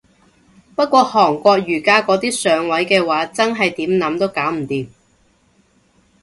不過韓國瑜嗰啲上位嘅話真係點諗都搞唔掂